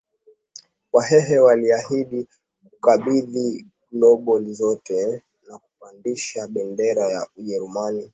Wahehe waliahidi kukabidhi gobole zote na kupandisha bendera ya Ujerumani